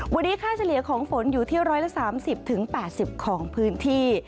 วันนี้ค่าเฉลี่ยของฝนอยู่ที่๑๓๐๘๐ของพื้นที่